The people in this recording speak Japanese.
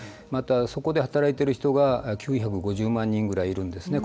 そこで、働いている人が９５０万人くらいいるんですね。